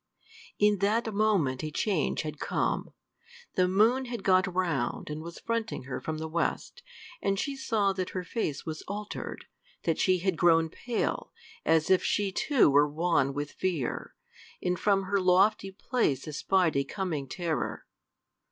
In that moment a change had come. The moon had got round, and was fronting her from the west, and she saw that her face was altered, that she had grown pale, as if she too were wan with fear, and from her lofty place espied a coming terror.